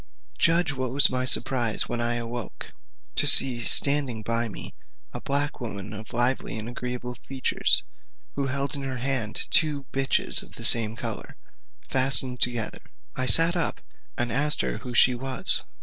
Judge what was my surprise when I awoke, to see standing by me a black woman of lively and agreeable features, who held in her hand two bitches of the same colour, fastened together. I sat up, and asked her who she was?